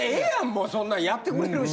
もうそんなんやってくれるし。